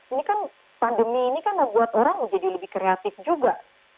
ini kan pandemi ini kan membuat orang menjadi lebih kreatif juga